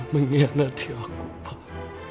mengianati aku pak